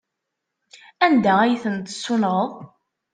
Anda ay ten-tessunɣeḍ?